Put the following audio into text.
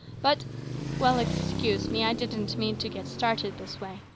But well, excuse me ; I didn't mean to get started this way.